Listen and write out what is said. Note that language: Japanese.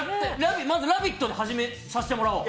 まず「ラヴィット！」で始めさせてもらおう。